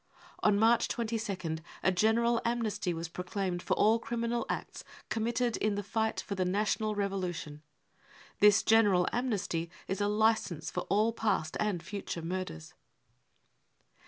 * On March 22nd a general amnesty was proclaimed for all criminal acts ££ committed in the fight for the national revolution. 53 This general amnesty is a licence for all past and future murders.